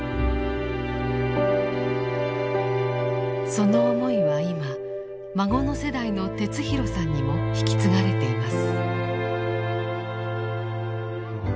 その思いは今孫の世代の哲弘さんにも引き継がれています。